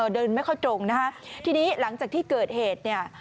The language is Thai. เดินไม่ค่อยตรงนะฮะทีนี้หลังจากที่เกิดเหตุเนี่ย